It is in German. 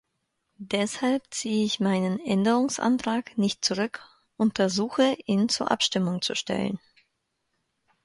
Deshalb ziehe ich meinen Änderungsantrag nicht zurück und ersuche, ihn zur Abstimmung zu stellen.